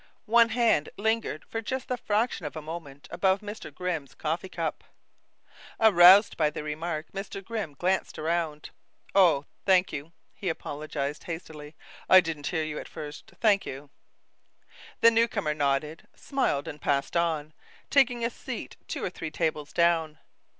One hand lingered for just the fraction of a moment above Mr. Grimm's coffee cup. Aroused by the remark, Mr. Grimm glanced around. "Oh, thank you," he apologized hastily. "I didn't hear you at first. Thank you." The new comer nodded, smiled and passed on, taking a seat two or three tables down.